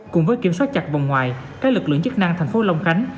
cùng với kiểm soát chặt vòng ngoài các lực lượng chức năng thành phố long khánh